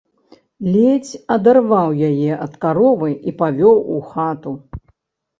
Ледзь адарваў яе ад каровы і павёў у хату.